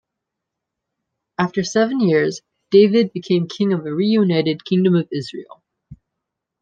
After seven years, David became king of a reunited Kingdom of Israel.